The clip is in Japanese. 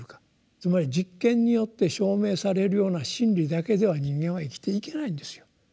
つまり実験によって証明されるような真理だけでは人間は生きていけないんですよ。